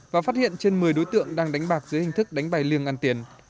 và phát hiện trên một mươi đối tượng đang đánh bạc dưới hình thức đánh bài liêng ăn tiền